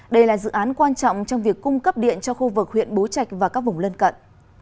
đây là dự án quan trọng trong việc cung cấp điện cho khu vực huyện bố trạch và các vùng lân cận